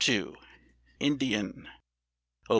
2), "INDIAN": Op.